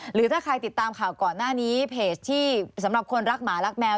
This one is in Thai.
หรือถ้าใครติดตามข่าวก่อนหน้านี้เพจที่สำหรับคนรักหมารักแมว